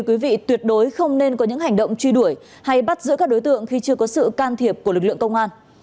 quý vị tuyệt đối không nên có những hành động truy đuổi hay bắt giữ các đối tượng khi chưa có sự can thiệp của lực lượng công an